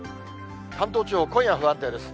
関東地方、今夜不安定です。